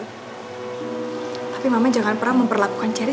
tapi mama jangan pernah memperlakukan chris